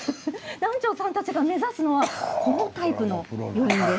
南條さんたちが目指すのはこちらのタイプの余韻です。